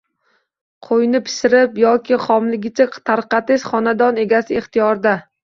Qo‘yni pishirib yoki xomligicha tarqatish xonadon egasi ixtiyorida.